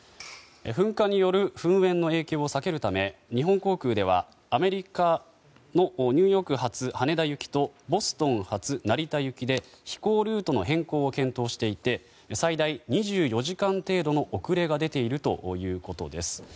噴火による噴煙の影響を避けるため日本航空ではアメリカのニューヨーク発羽田行きとボストン発成田行きで飛行ルートの変更を検討していて最大２４時間程度の遅れが出ているということです。